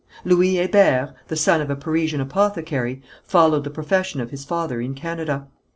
Louis Hébert, the son of a Parisian apothecary, followed the profession of his father in Canada.